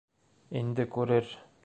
Инде күрер.